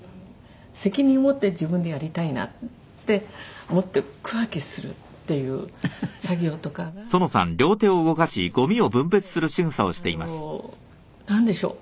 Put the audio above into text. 責任持って自分でやりたいなって思って区分けするっていう作業とかが本当すごい新鮮であのなんでしょう。